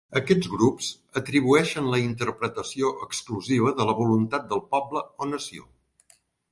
Aquests grups atribueixen la interpretació exclusiva de la voluntat del poble o nació.